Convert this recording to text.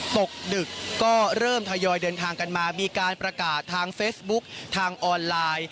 ตกดึกก็เริ่มทยอยเดินทางกันมามีการประกาศทางเฟซบุ๊กทางออนไลน์